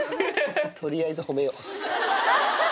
とりあえず褒めよう。